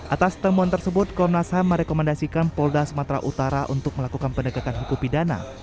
atas temuan tersebut komnas ham merekomendasikan polda sumatera utara untuk melakukan penegakan hukum pidana